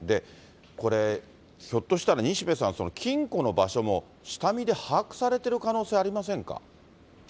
これ、ひょっとしたら西部さん、金庫の場所も下見で把握されている可能性ありませんか？